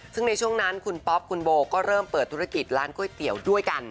ซึ่งในช่วงนั้นคุณป๊อปคุณโบก็เริ่มเปิดธุรกิจร้านก๋วยเตี๋ยวด้วยกัน